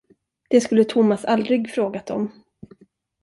Det skulle Thomas aldrig frågat om.